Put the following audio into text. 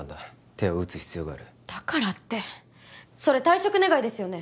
手を打つ必要があるだからってそれ退職願ですよね？